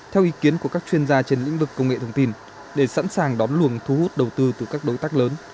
theo ý kiến của các chuyên gia trên lĩnh vực công nghệ thông tin để sẵn sàng đón luồng thu hút đầu tư từ các đối tác lớn